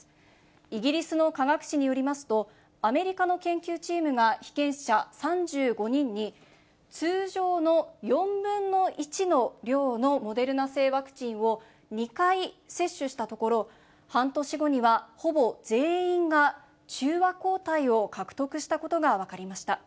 イギリスの科学誌によりますと、アメリカの研究チームが被験者３５人に、通常の４分の１の量のモデルナ製ワクチンを２回接種したところ、半年後には、ほぼ全員が中和抗体を獲得したことが分かりました。